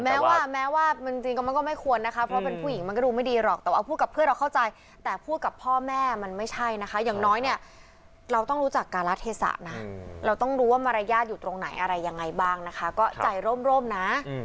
แม้ว่าแม้ว่ามันจริงก็มันก็ไม่ควรนะคะเพราะเป็นผู้หญิงมันก็ดูไม่ดีหรอกแต่ว่าพูดกับเพื่อนเราเข้าใจแต่พูดกับพ่อแม่มันไม่ใช่นะคะอย่างน้อยเนี่ยเราต้องรู้จักการะเทศะนะเราต้องรู้ว่ามารยาทอยู่ตรงไหนอะไรยังไงบ้างนะคะก็ใจร่มนะ